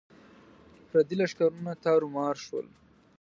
پردي لښکرونه تارو مار شول.